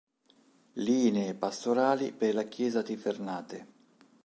Linee pastorali per la Chiesa tifernate".